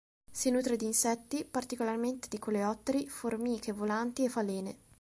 Si nutre di insetti, particolarmente di coleotteri, formiche volanti e falene.